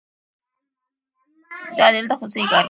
د علامه رشاد لیکنی هنر مهم دی ځکه چې پېښو علتونه څېړي.